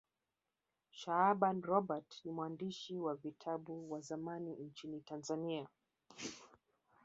shaaban robert ni mwandishi wa vitabu wa zamani nchini tanzania